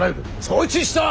承知した。